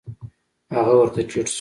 هغه ورته ټيټ سو.